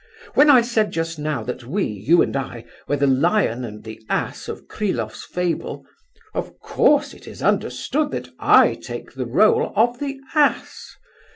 When I said just now that we, you and I, were the lion and the ass of Kryloff's fable, of course it is understood that I take the role of the ass.